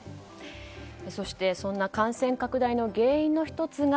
そして、そんな感染拡大の原因の１つが